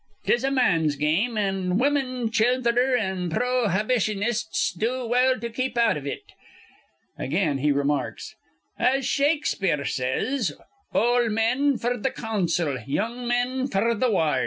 'Tis a man's game; an' women, childher, an' pro hybitionists'd do well to keep out iv it." Again he remarks, "As Shakespeare says, 'Ol' men f'r th' council, young men f'r th' ward.'"